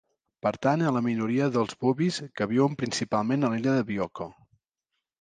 Pertany a la minoria dels bubis que viuen principalment a l'illa de Bioko.